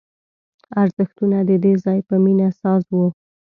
ارزښتونه د دې ځای په مینه ساز وو